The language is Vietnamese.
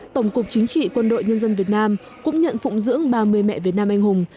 tổng cục chính trị quân đội nhân dân việt nam cũng nhận phụng dưỡng ba mươi mẹ việt nam anh hùng